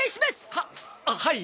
ははい。